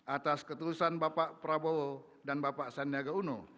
atas ketulusan bapak prabowo dan bapak sandiaga uno